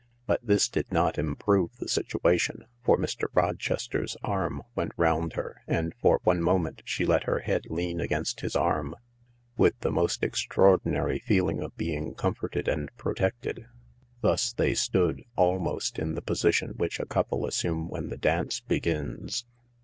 But this did not improve the situation, for Mr. Rochester's arm went round her, and for one moment she let her head lean against his arm, with the most extraordinary feeling of being comforted and protected. Thus they stood, almost in the position which a couple assume when the dance begins.